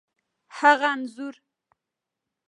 هغه انځور،